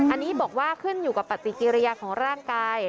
อันนี้บอกว่าขึ้นอยู่กับปฏิกิริยาของร่างกาย